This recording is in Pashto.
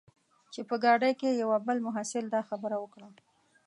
چې په ګاډۍ کې یوه بل محصل دا خبره وکړه.